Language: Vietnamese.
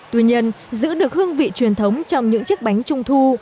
tuy nhiên giữ được hương vị truyền thống trong những chiếc bánh trung thu